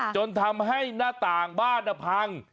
จนทำให้หน้าต่างบ้านพัง